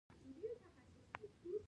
زه د خپلي روغتیا خیال ساتم.